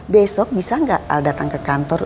besok bisa nggak al datang ke kantor